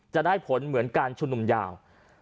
จะได้ผลเหมือนการชุมนุมยาว